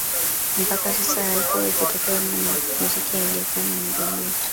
Mpaka sasa haikuwahi kutokea mwanamuziki aliyekuwa na umri huo